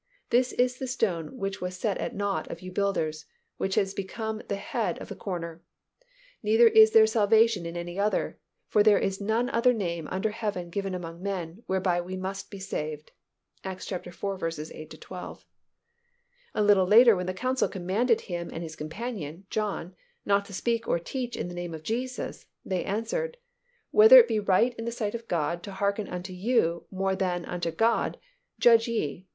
This is the stone which was set at nought of you builders, which is become the head of the corner. Neither is there salvation in any other: for there is none other name under heaven given among men, whereby we must be saved" (Acts iv. 8 12). A little later when the council commanded him and his companion, John, not to speak or teach in the name of Jesus, they answered, "Whether it be right in the sight of God to hearken unto you more than unto God, judge ye.